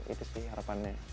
itu sih harapannya